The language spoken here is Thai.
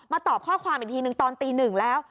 ตอบข้อความอีกทีนึงตอนตีหนึ่งแล้ว